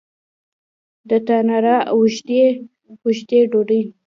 د تناره اوږدې، اوږدې ډوډۍ